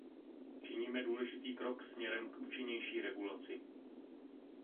Činíme důležitý krok směrem k účinnější regulaci.